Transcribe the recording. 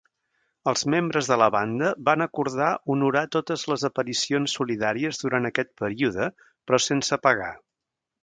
Els membres de la banda van acordar honorar totes les aparicions solidàries durant aquest període, però sense pagar.